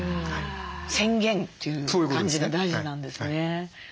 宣言という感じが大事なんですね。